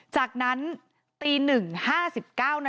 จากนั้นตี๐๑๕๙น